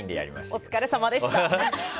お疲れさまでした。